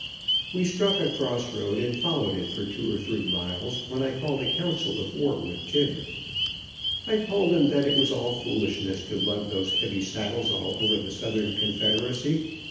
We struck a cross road, and followed it for two or three miles, when I called a council of war, with Jim. I told him that it was all foolishness to lug those heavy saddles all over the Southern Confederacy.